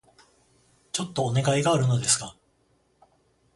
ちょっとお願いがあるのですが...